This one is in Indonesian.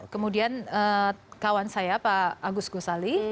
kemudian kawan saya pak agus gosali